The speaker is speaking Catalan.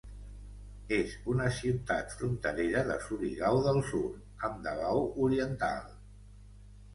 És una ciutat fronterera de Surigao del Sur amb Davao Oriental.